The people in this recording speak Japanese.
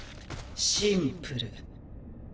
シンプル。